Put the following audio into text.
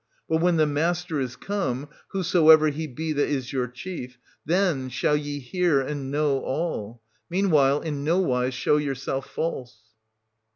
But when the master is come, whosoever he be that is your chief, then shall ye 290 hear and know all ; meanwhile in no wise show yourself false.